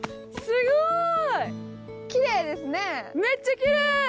すごい！